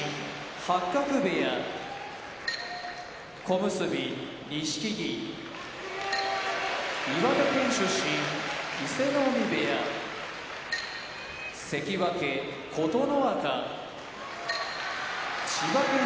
八角部屋小結・錦木岩手県出身伊勢ノ海部屋関脇・琴ノ若千葉県出身